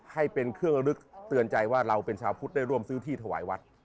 ให้เป็นเครื่องลึกเตือนใจว่าเราเป็นชาวพุทธได้ร่วมซื้อที่ถวายวัด